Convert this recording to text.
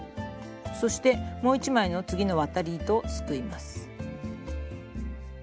そしてもう一枚の次の渡り糸をすくいます。